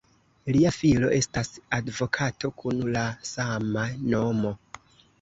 Lia filo estas advokato kun la sama nomo.